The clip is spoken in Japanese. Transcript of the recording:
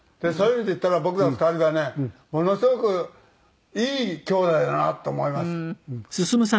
そういう意味でいったら僕ら２人はねものすごくいい兄弟だなと思います。